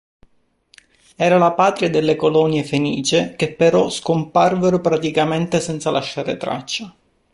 Era la patria delle colonie fenicie che però scomparvero praticamente senza lasciare traccia.